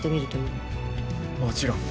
もちろん。